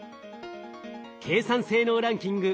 計算性能ランキング